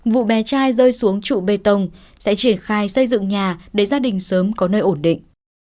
vụ bé trai rơi xuống trụ bê tông sẽ triển khai xây dựng nhà để gia đình sớm có nơi ổn định